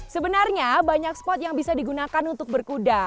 sebenarnya banyak spot yang bisa digunakan untuk berkuda